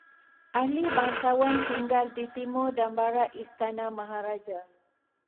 Ahli bangsawan tinggal di timur dan barat istana maharaja